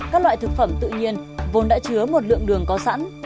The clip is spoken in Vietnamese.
các loại thực phẩm tự nhiên vốn đã chứa một lượng đường có sẵn